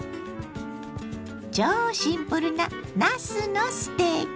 超シンプルななすのステーキ。